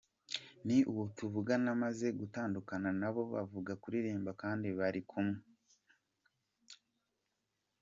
Ni ubu tuvugana maze gutandukana nabo bavuye kuririmba kandi bari kumwe.